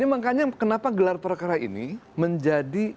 makanya kenapa gelar perkara ini menjadi